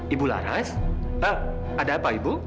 ibu laras pak ada apa ibu